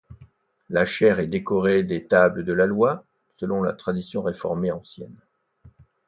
La chaire est décorée des Tables de la Loi, selon la tradition réformée ancienne.